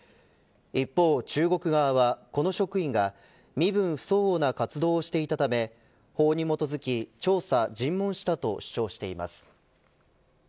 一方、中国側はこの職員が身分不相応な活動をしていたため法に基づき調査尋問したと主張しています。